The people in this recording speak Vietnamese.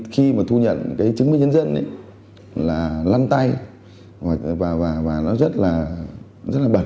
khi mà thu nhận cái chứng minh nhân dân ấy là lăn tay và nó rất là bẩn